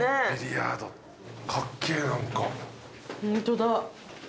ホントだ。